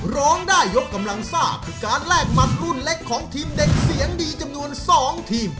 ร้องได้ยกกำลังซ่าคือการแลกหมัดรุ่นเล็กของทีมเด็กเสียงดีจำนวน๒ทีม